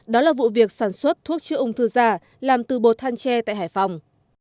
đó là vụ việc sản xuất thuốc chữa ung thư giả làm từ bột than tre tại hải phòng